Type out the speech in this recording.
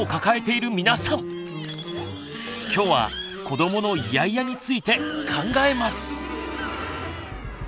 きょうは子どものイヤイヤについて考えます！